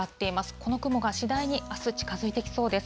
この雲が次第にあす、近づいてきそうです。